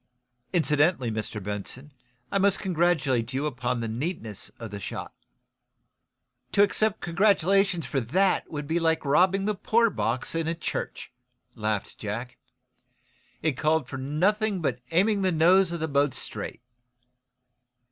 Incidentally, Mr. Benson, I must congratulate you upon the neatness of the shot." "To accept congratulations for that would be like robbing a poor box in a church," laughed Jack. "It called for nothing but aiming the nose of the boat straight."